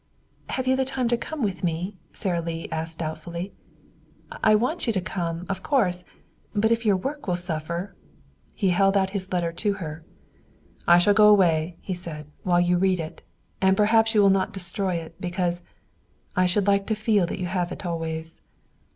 "Have you the time to come with me?" Sara Lee asked doubtfully. "I want you to come, of course, but if your work will suffer " He held out his letter to her. "I shall go away," he said, "while you read it. And perhaps you will not destroy it, because I should like to feel that you have it always."